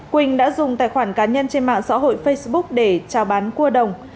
quỳnh đã dùng tài khoản cá nhân trên mạng xã hội facebook để trao bán cua đồng